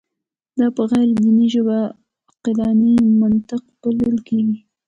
دا په غیر دیني ژبه عقلاني منطق بلل کېږي.